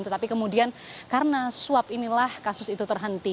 tetapi kemudian karena suap inilah kasus itu terhenti